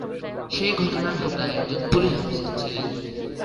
সেই ঘটনার হোতা একজন পুলিশ অফিসার ছিলেন।